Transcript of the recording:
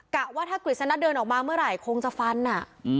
ว่าถ้ากฤษณะเดินออกมาเมื่อไหร่คงจะฟันอ่ะ